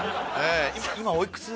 今おいくつ？